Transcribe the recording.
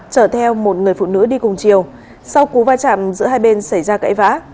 chở theo một người phụ nữ đi cùng chiều sau cú va chạm giữa hai bên xảy ra cãi vã